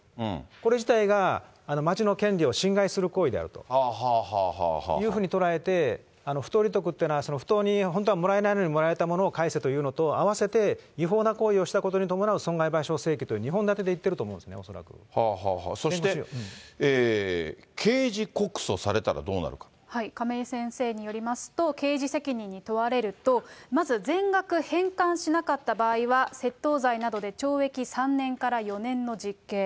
これ自体が町の権利を侵害する行為であるというふうに捉えて、不当利得というのは、不当に本当はもらえないのにもらえたものを返せというのと合わせて違法な行為をしたことに伴う損害賠償請求という２本立てで言っそして、刑事告訴されたらど亀井先生によりますと、刑事責任に問われると、まず全額返還しなかった場合は窃盗罪などで懲役３年から４年の実刑。